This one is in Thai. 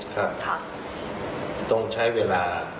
ค่ะต้องใช้เวลา